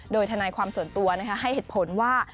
โดยทนายความส่วนตัวให้เหตุผลว่า